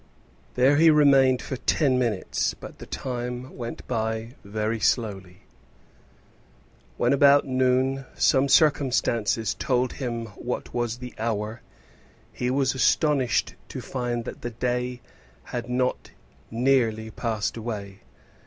There he remained for ten minutes, but the time went by very slowly. When about noon some circumstance told him what was the hour, he was astonished to find that the day had not nearly passed away.